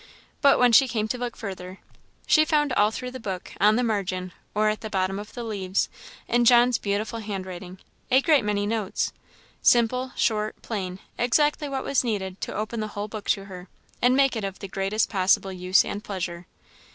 But when she came to look further, she found all through the book, on the margin, or at the bottom of the leaves, in John's beautiful hand writing, a great many notes; simple, short, plain, exactly what was needed to open the whole book to her, and make it of the greatest possible use and pleasure.